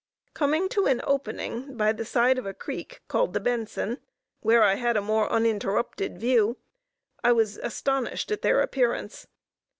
Coming to an opening by the side of a creek called the Benson, where I had a more uninterrupted view, I was astonished at their appearance.